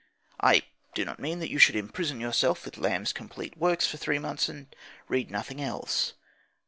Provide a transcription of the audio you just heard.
I do not mean that you should imprison yourself with Lamb's complete works for three months, and read nothing else.